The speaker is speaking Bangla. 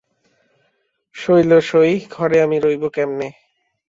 সই লো সই, ঘরে আমি রইব কেমনে!